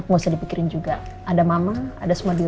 gimana pesan kamu udah selesai